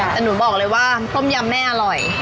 แต่หนูบอกเลยว่าต้มยำแม่อร่อย